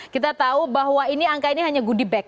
kita tahu bahwa ini angka ini hanya goodie bag